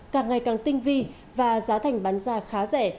càng ngày càng tinh vi và giá thành bán ra khá rẻ